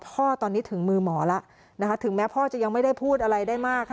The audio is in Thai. พ่อตอนนี้ถึงมือหมอแล้วนะคะถึงแม้พ่อจะยังไม่ได้พูดอะไรได้มากค่ะ